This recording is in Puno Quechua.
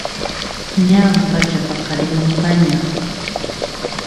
Ñan pachapaqarimunqaña